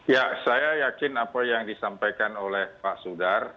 ya saya yakin apa yang disampaikan oleh pak sudar